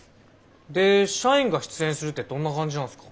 で社員が出演するってどんな感じなんすか？